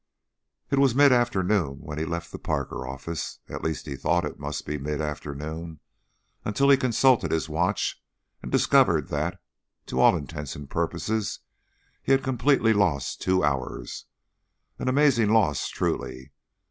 It was midafternoon when he left the Parker office at least he thought it must be midafternoon until he consulted his watch and discovered that, to all intents and purposes, he had completely lost two hours. An amazing loss, truly.